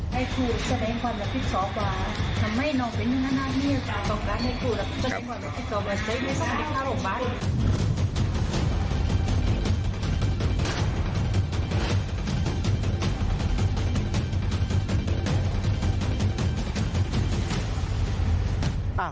มันไม่นอกเป็นอย่างน่ามีอาการต้องการให้ผู้หลัก